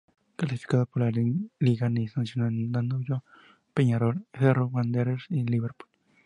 Clasificados para la liguilla: Nacional, Danubio, Peñarol, Cerro, Wanderers y Liverpool.